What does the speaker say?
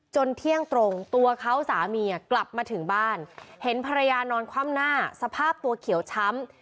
เที่ยงตรงตัวเขาสามีกลับมาถึงบ้านเห็นภรรยานอนคว่ำหน้าสภาพตัวเขียวช้ำ